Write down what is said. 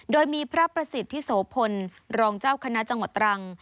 โดยมีพระประสิทธิโสพลรองเจ้าคณะจังหวัดตรัง